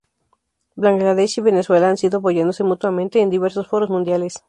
Bangladesh y Venezuela han sido apoyándose mutuamente en diversos foros mundiales.